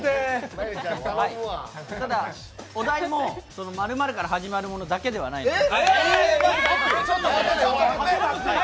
お題も○○から始まるものだけではないんです。